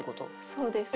そうです。